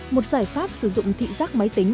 một giải pháp sử dụng thị giác máy tính